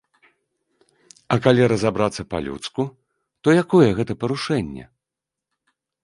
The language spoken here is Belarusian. А калі разабрацца па-людску, то якое гэта парушэнне?